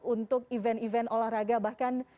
untuk event event olahraga bahkan